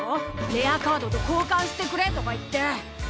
「レアカードとこうかんしてくれ」とか言って。